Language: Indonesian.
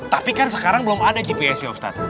tapi kan sekarang belum ada gps ya ustaz